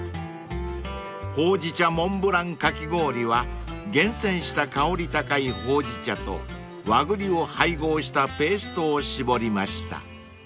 ［ほうじ茶モンブランかき氷は厳選した香り高いほうじ茶と和栗を配合したペーストを絞りました］